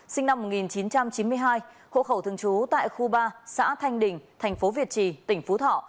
sinh năm một nghìn chín trăm chín mươi hai hộ khẩu thường trú tại khu ba xã thanh đình thành phố việt trì tỉnh phú thọ